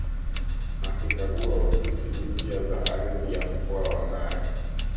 Akikagua ofisi mpya za Ardhi ya mkoa wa Mara